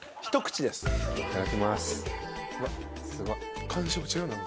いただきます。